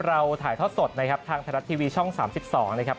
เราถ่ายทอดสดนะครับทางไทยรัฐทีวีช่อง๓๒นะครับ